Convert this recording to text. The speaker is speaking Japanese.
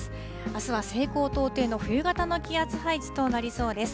あすは西高東低の冬型の気圧配置となりそうです。